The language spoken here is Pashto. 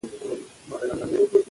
سهار وختي پاڅیږئ.